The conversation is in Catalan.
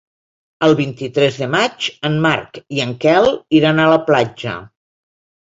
El vint-i-tres de maig en Marc i en Quel iran a la platja.